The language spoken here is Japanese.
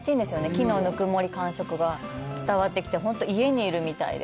木のぬくもり、感触が伝わってきて、家にいるみたいで。